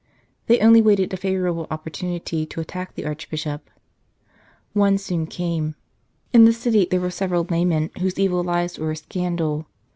They only awaited a favourable opportunity to 73 St. Charles Borromeo attack the Archbishop. One soon came. In the city there were several laymen whose evil lives were a scandal.